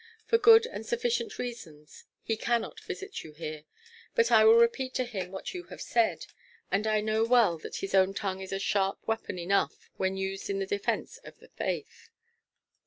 For good and sufficient reasons, he cannot visit you here. But I will repeat to him what you have said. And I know well that his own tongue is a sharp weapon enough when used in the defence of the faith."